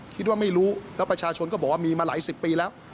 คิดว่าไม่รู้แล้วประชาชนก็บอกว่ามีมาหลายสิบปีแล้ว